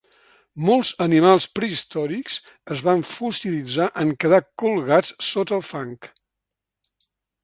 Molts animals prehistòrics es van fossilitzar en quedar colgats sota el fang.